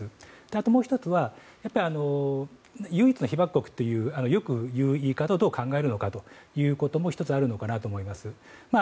あと、もう１つは唯一の被爆国とよく言い方をどう考えるのかということもあるのかなと思います。